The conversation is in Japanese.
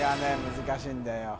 難しいんだよ